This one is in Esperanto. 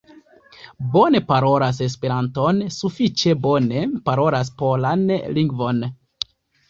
Bone parolas esperanton, sufiĉe bone parolas polan lingvon.